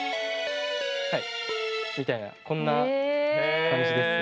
はいみたいなこんな感じです。